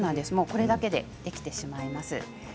これだけでできてしまいます。